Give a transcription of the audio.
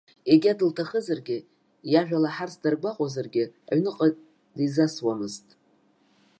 Егьа дылҭахызаргьы, иажәа лаҳарц даргәаҟуазаргьы, аҩныҟа дизасуамызт.